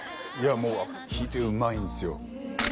もうヒデうまいんすよ